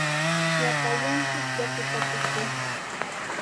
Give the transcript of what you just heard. Llapallanchik yakuta apamushun.